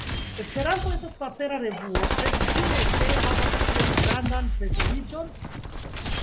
Esperanto estas papera revuo, sed kiu retejo havas plej grandan prestiĝon?